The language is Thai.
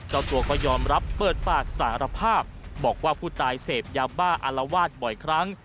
เจ้าตัวก็ยอมรับเปิดปากสารภาพบอกว่าผู้ตายเสพยาบ้าอารวาสบ่อยครั้ง